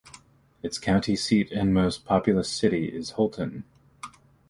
Its county seat and most populous city is Holton.